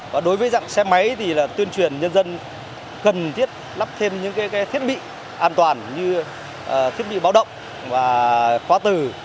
và đối với dạng xe máy thì là tuyên truyền nhân dân cần thiết lắp thêm những thiết bị an toàn như thiết bị báo động và khóa từ